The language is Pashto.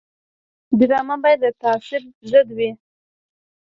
ډرامه باید د تعصب ضد وي